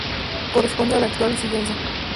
Corresponde a la actual Sigüenza.